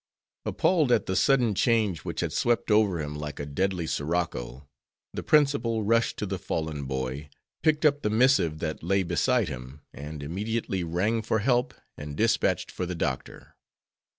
Appalled at the sudden change which had swept over him like a deadly sirocco, the principal rushed to the fallen boy, picked up the missive that lay beside him, and immediately rang for help and dispatched for the doctor.